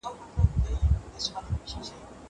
زه مخکي اوبه څښلې وې.